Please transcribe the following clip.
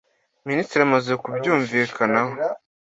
Minisitiri amaze kubyumvikanaho